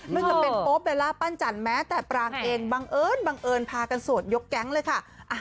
มันก็เป็นโป๊บเวลาปั้นจันแม้แต่ปรางเองบังเอิญพากันส่วนยกแก๊งเลยค่ะ